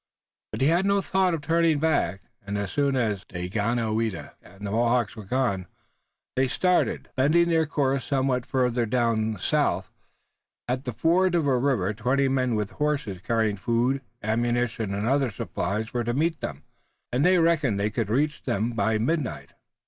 But he had no thought of turning back, and, as soon as Daganoweda and the Mohawks were gone, they started, bending their course somewhat farther toward the south. At the ford of a river twenty men with horses carrying food, ammunition and other supplies were to meet them, and they reckoned that they could reach it by midnight.